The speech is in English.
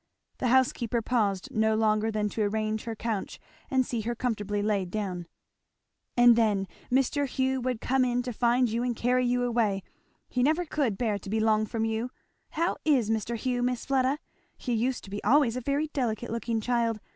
The housekeeper paused no longer than to arrange her couch and see her comfortably laid down. "And then Mr. Hugh would come in to find you and carry you away he never could bear to be long from you. How is Mr. Hugh, Miss Fleda? he used to be always a very delicate looking child.